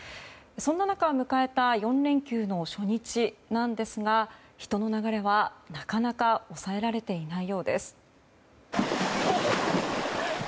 そんな中、迎えた４連休の初日なんですが人の流れは、なかなか抑えられていないようです。